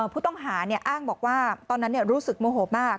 ผู้ต้องหาอ้างบอกว่าตอนนั้นรู้สึกโมโหมาก